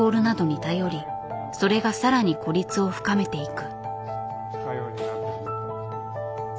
それがさらに孤立を深めていく。